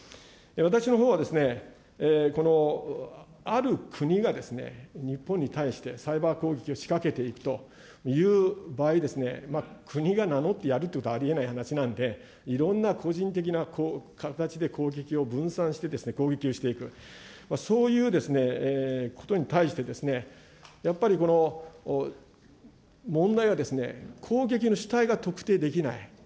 私のほうはこの、ある国が日本に対して、サイバー攻撃を仕掛けていくという場合、国が名乗ってやるということはありえない話なんで、いろんな個人的な形で攻撃を分散して攻撃をしていく、そういうことに対して、やっぱり、問題は攻撃の主体が特定できない。